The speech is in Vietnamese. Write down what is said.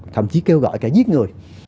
thậm chí kêu gọi cả giết người